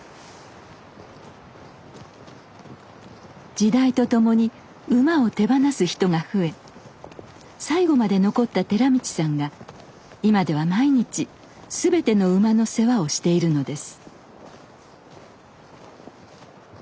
時代とともに馬を手放す人が増え最後まで残った寺道さんが今では毎日全ての馬の世話をしているのです。